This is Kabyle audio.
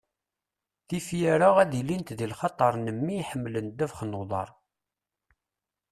ifyar-a ad ilint di lxaṭer n mmi iḥemmlen ddabex n uḍar.